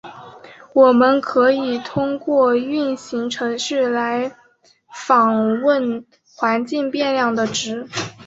我们可以通过运行程序来访问环境变量的值。